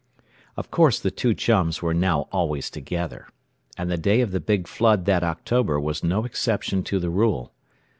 Of course the two chums were now always together. And the day of the big flood that October was no exception to the rule.